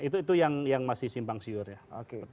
itu yang masih simpang siur ya